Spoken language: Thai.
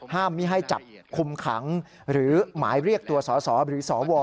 ไม่ให้จับคุมขังหรือหมายเรียกตัวสสหรือสว